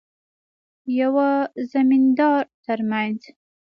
یوه زمیندار ترمنځ.